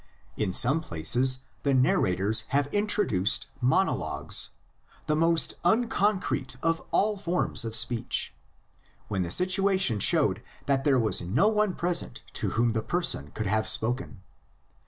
In some places the narrators have introduced mon ologues, the most unconcrete of all forms of speech, when the situation showed that there was no one pres ent to whom the person could have spoken.